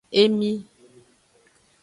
Emi.